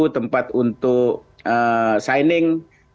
tempat untuk signing